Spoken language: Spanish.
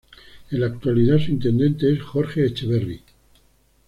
En la actualidad su intendente es Jorge Echeverry.